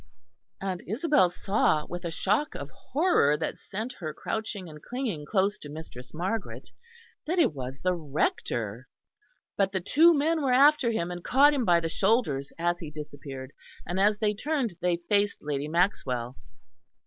And Isabel saw with a shock of horror that sent her crouching and clinging close to Mistress Margaret, that it was the Rector. But the two men were after him and caught him by the shoulders as he disappeared; and as they turned they faced Lady Maxwell.